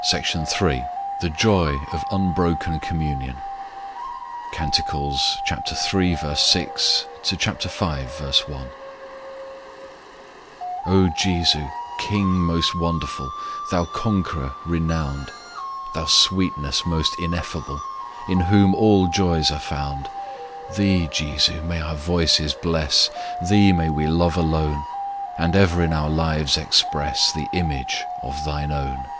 SECTION III THE JOY OF UNBROKEN COMMUNION Cant. iii. 6 v. 1 O JESU, KING most wonderful, Thou CONQUEROR renown'd, Thou sweetness most ineffable, In whom all joys are found! Thee, JESU, may our voices bless; Thee may we love alone; And ever in our lives express The image of Thine own.